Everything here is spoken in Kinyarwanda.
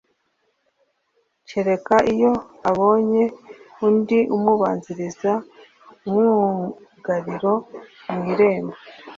kereka iyo abonye undi umubanziriza umwugariro mu irembo